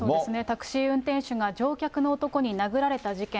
タクシー運転手が乗客の男に殴られた事件。